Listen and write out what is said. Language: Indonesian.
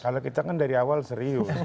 kalau kita kan dari awal serius